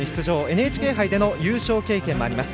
ＮＨＫ杯での優勝経験もあります。